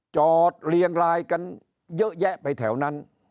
เรียงรายกันเยอะแยะไปแถวนั้น